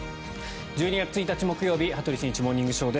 １２月１日、木曜日「羽鳥慎一モーニングショー」。